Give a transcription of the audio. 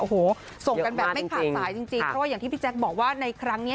โอ้โหส่งกันแบบไม่ขาดสายจริงเพราะว่าอย่างที่พี่แจ๊คบอกว่าในครั้งนี้